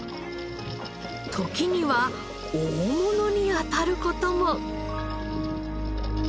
時には大物にあたる事も。